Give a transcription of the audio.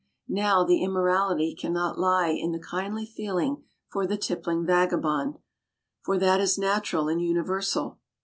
Now the immorality can not lie in the kindly feeling for the tippling vagabond, for that is natural and universal.